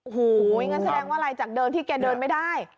โอ้โหงั้นแสดงว่าอะไรจากเดิมที่แกเดินไม่ได้